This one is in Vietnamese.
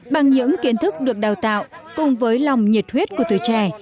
bằng những kiến thức được đào tạo cùng với lòng nhiệt huyết của tuổi trẻ